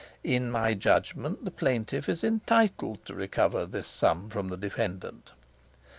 "In my judgment the plaintiff is entitled to recover this sum from the defendant.